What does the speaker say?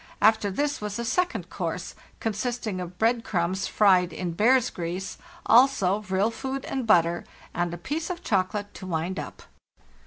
After this was a second course, consisting of bread crumbs fried in bear's grease, also vril food and butter, and a piece of chocolate to wind up."